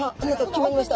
決まりました。